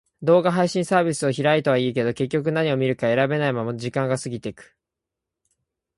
動画配信サービスを開いたはいいけど、結局何を見るか選べないまま時間が過ぎていく。